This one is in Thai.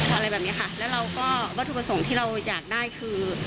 อะไรแบบนี้ค่ะแล้วเราก็วัตถุประสงค์ที่เราอยากได้คือ